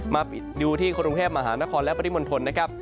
มาดูที่กรุงเทพมหานครและปริมณฑลนะครับ